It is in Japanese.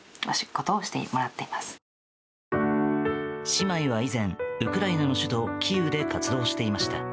姉妹は以前、ウクライナの首都キーウで活動していました。